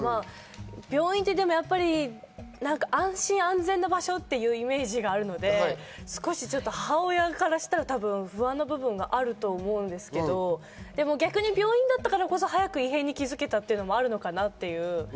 病院って、やっぱり安心安全な場所っていうイメージがあるので、少し母親からしたら不安な部分があると思うんですけど、逆に病院だったからこそ、早く異変に気づけたということもあるのかなっていう。